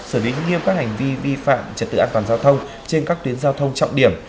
xử lý nghiêm các hành vi vi phạm trật tự an toàn giao thông trên các tuyến giao thông trọng điểm